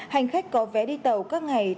hành khách có vé đi tàu các ngày